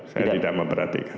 saya tidak memperhatikan